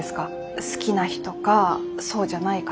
好きな人かそうじゃないかで。